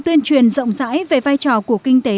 tuyên truyền rộng rãi về vai trò của kinh tế